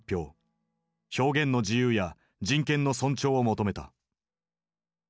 表現の自由や人権の尊重を求めた。